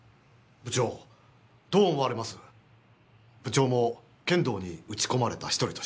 部長も剣道に打ち込まれた１人として。